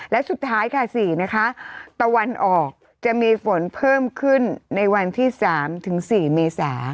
และสุดท้ายค่ะ๔นะคะตะวันออกจะมีฝนเพิ่มขึ้นในวันที่๓ถึง๔เมษา